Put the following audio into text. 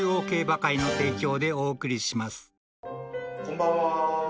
こんばんは。